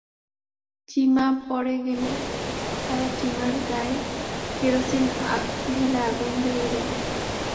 চিমা পড়ে গেলে তাঁরা চিমার গায়ে কেরোসিন ঢেলে আগুন ধরিয়ে দেন।